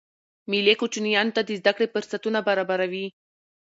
مېلې کوچنيانو ته د زدهکړي فرصتونه برابروي.